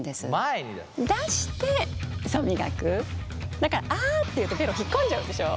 だからあって言うとベロ引っ込んじゃうでしょ？